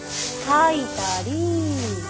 掃いたり。